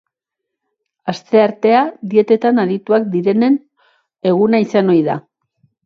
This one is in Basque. Asteartea dietetan adituak direnen eguna izan ohi da.